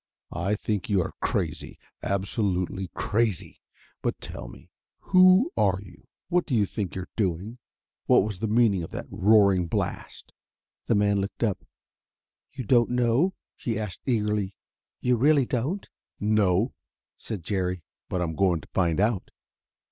I think you are crazy, absolutely crazy. But, tell me, who are you? What do you think you're doing? What was the meaning of that roaring blast?" The man looked up. "You don't know?" he asked eagerly. "You really don't?" "No," said Jerry; "but I'm going to find out."